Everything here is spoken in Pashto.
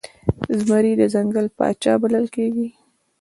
زمری د ځنګل پاچا بلل کېږي.